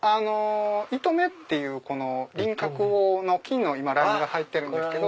糸目っていう輪郭の金のラインが入ってるんですけど。